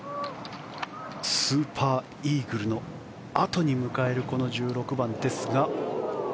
スーパーイーグルのあとに迎えるこの１６番ですが。